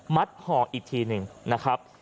ห่ออีกทีหนึ่งนะครับ